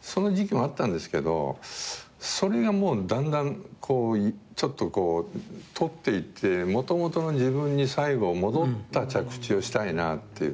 その時期もあったんですけどそれがもうだんだんちょっと取っていってもともとの自分に最後戻った着地をしたいなって。